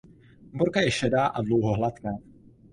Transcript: Borka je šedá a dlouho hladká.